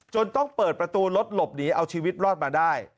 ต้องเปิดประตูรถหลบหนีเอาชีวิตรอดมาได้